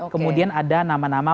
kemudian ada nama nama